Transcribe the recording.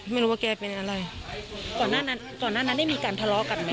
ไม่รู้ว่าแกเป็นอะไรก่อนหน้านั้นก่อนหน้านั้นได้มีการทะเลาะกันไหม